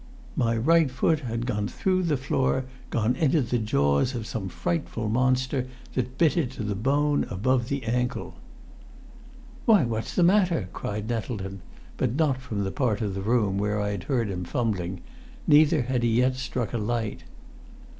My right foot had gone through the floor, gone into the jaws of some frightful monster that bit it to the bone above the ankle! "Why, what's the matter?" cried Nettleton, but not from the part of the room where I had heard him fumbling, neither had he yet struck a light.